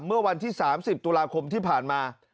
เมื่อวันที่๓๐ตุลาคมที่ผ่านมา